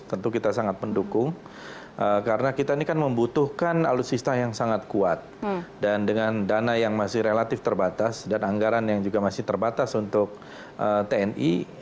tentu kita sangat mendukung karena kita ini kan membutuhkan alutsista yang sangat kuat dan dengan dana yang masih relatif terbatas dan anggaran yang juga masih terbatas untuk tni